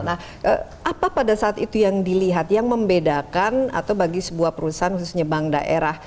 nah apa pada saat itu yang dilihat yang membedakan atau bagi sebuah perusahaan khususnya bank daerah